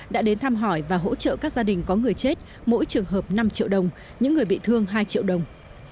đã đến thăm hỏi và hỗ trợ các gia đình có người chết mỗi trường hợp năm triệu đồng những người bị thương hai triệu đồng